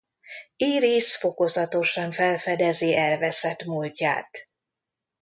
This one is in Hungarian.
Írisz fokozatosan felfedezi elveszett múltját.